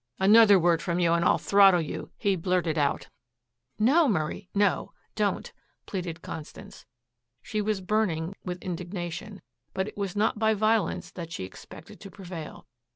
"Another word from you and I'll throttle you," he blurted out. "No, Murray, no. Don't," pleaded Constance. She was burning with indignation, but it was not by violence that she expected to prevail.